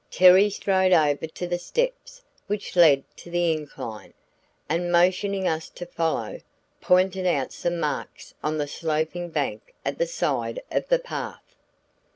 Terry strode over to the steps which led to the incline, and motioning us to follow, pointed out some marks on the sloping bank at the side of the path.